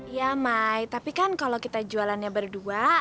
iya mai tapi kan kalau kita jualannya berdua